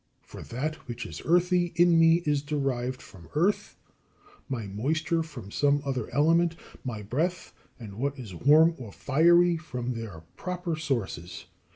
For that which is earthy in me is derived from earth, my moisture from some other element, my breath and what is warm or fiery from their proper sources.